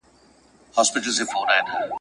بيا اختر به وي دفتحې ..